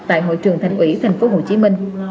tại hội trường thành ủy tp hcm